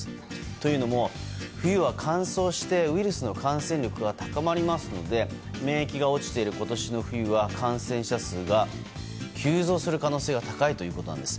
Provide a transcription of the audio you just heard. というのも、冬は乾燥してウイルスの感染力が高まりますので免疫が落ちている今年の冬は感染者数が急増する可能性が高いということなんです。